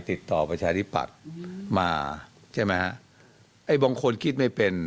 ประชาธิปัตย์มาใช่ไหมฮะไอ้บางคนคิดไม่เป็น